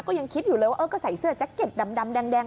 ก็ยังคิดอยู่เลยว่าเออก็ใส่เสื้อแจ็คเก็ตดำแดง